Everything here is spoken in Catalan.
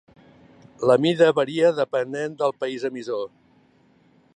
La mida varia dependent del país emissor.